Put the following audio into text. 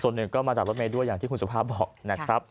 ส่วนหนึ่งก็มาจากรถเมย์ด้วยอย่างที่คุณสุภาพบอกนะครับ